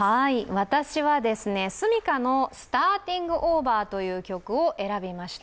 私はｓｕｍｉｋａの「ＳｔａｒｔｉｎｇＯｖｅｒ」という曲を選びました。